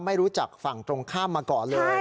ไม่รู้จักฝั่งตรงข้ามมาก่อนเลย